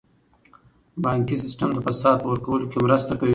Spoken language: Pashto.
بانکي سیستم د فساد په ورکولو کې مرسته کوي.